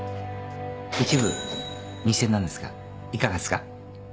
１部２，０００円なんですがいかがですか？